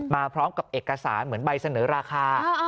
มาพร้อมกับเอกสารเหมือนใบเสนอราคา